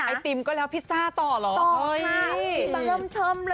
ไอศครีมก็แล้วพิสซาต่อหรอ